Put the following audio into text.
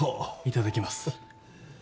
いただきます。